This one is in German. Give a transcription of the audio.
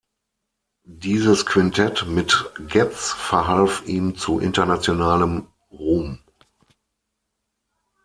Dieses Quintet mit Getz verhalf ihm zu internationalem Ruhm.